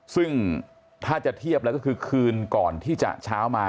ซึ่งถ้าจะเทียบแล้วก็คือคืนก่อนที่จะเช้ามา